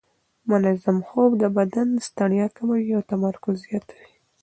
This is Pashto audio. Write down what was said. منظم خوب د بدن ستړیا کموي او تمرکز زیاتوي.